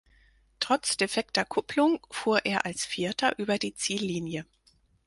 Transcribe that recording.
Trotz defekter Kupplung fuhr er als vierter über die Ziellinie.